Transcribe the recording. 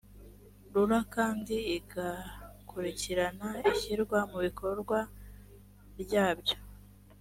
rura kandi igakurikirana ishyirwa mu bikorwa ryabyo